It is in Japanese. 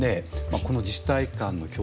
この自治体間の競争。